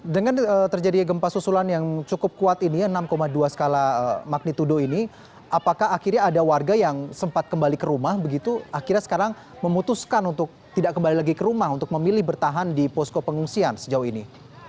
dengan terjadinya gempa susulan yang cukup kuat ini enam dua skala magnitudo ini apakah akhirnya ada warga yang sempat kembali ke rumah begitu akhirnya sekarang memutuskan untuk tidak kembali lagi ke rumah untuk memilih bertahan di posko pengungsian sejauh ini